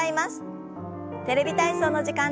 「テレビ体操」の時間です。